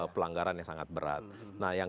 pelanggaran yang sangat berat nah yang